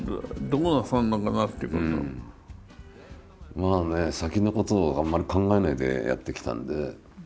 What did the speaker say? まあね先のことをあんまり考えないでやってきたんで。